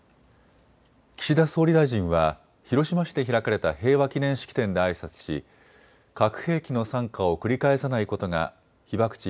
岸田総理大臣は広島市で開かれた平和記念式典であいさつし核兵器の惨禍を繰り返さないことが被爆地